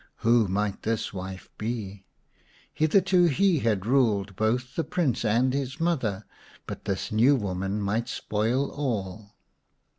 Who might this wife be ? Hitherto he had ruled both the Prince and his mother, but this new woman might spoil all.